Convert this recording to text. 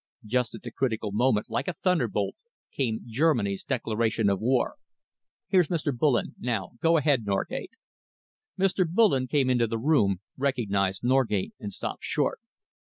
Just at the critical moment, like a thunderbolt, came Germany's declaration of war. Here's Mr. Bullen. Now go ahead, Norgate." Mr. Bullen came into the room, recognised Norgate, and stopped short.